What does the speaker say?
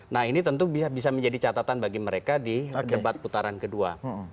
nah ini tentu bisa menjadi catatan bagi mereka di debat putaran kedua